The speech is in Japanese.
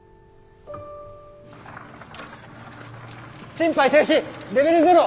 心肺停止レベルゼロ！